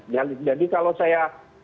jadi kalau saya